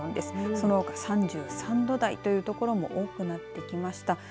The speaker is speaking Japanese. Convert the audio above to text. その３３度台という所も多くなってきました。